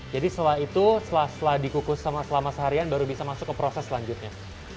jadi setelah itu setelah dikukus selama selama seharian baru bisa masuk ke proses selanjutnya